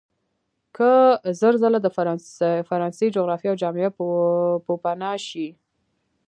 که زر ځله د فرانسې جغرافیه او جامعه پوپناه شي.